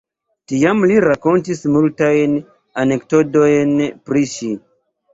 Tiam li rakontis multajn anekdotojn pri ŝi.